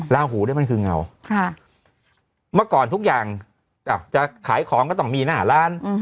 ลาหูเนี่ยมันคือเงาเมื่อก่อนทุกอย่างจะขายของก็ต้องมีหน้าร้าน